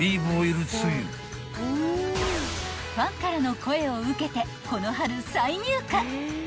［ファンからの声を受けてこの春再入荷］